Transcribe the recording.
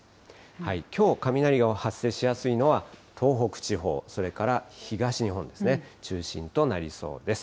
きょう、雷が発生しやすいのは東北地方、それから東日本ですね、中心となりそうです。